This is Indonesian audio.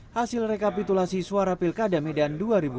hasil rekapitulasi suara pilkada medan dua ribu dua puluh